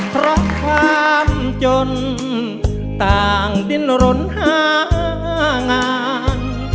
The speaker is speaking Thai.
เพราะความจนต่างดิ้นรนหางาน